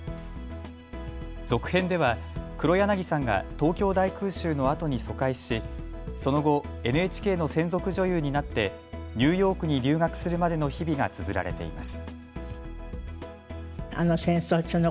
続編では黒柳さんが東京大空襲のあとに疎開しその後、ＮＨＫの専属女優になってニューヨークに留学するまでの日々がつづられています。